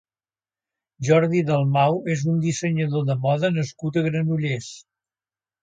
Jordi Dalmau és un dissenyador de moda nascut a Granollers.